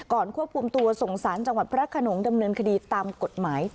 ควบคุมตัวส่งสารจังหวัดพระขนงดำเนินคดีตามกฎหมาย